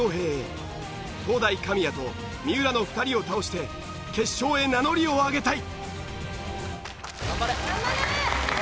東大神谷と三浦の２人を倒して決勝へ名乗りを上げたい！